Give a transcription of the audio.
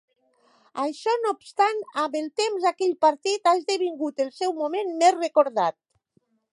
Això no obstant, amb el temps aquell partit ha esdevingut el seu moment més recordat.